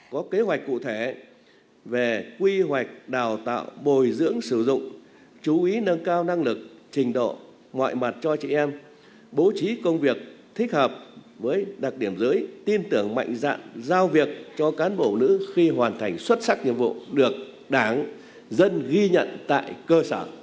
có kế hoạch cụ thể về quy hoạch đào tạo bồi dưỡng sử dụng chú ý nâng cao năng lực trình độ ngoại mặt cho chị em bố trí công việc thích hợp với đặc điểm giới tin tưởng mạnh dạng giao việc cho cán bộ nữ khi hoàn thành xuất sắc nhiệm vụ được đảng dân ghi nhận tại cơ sở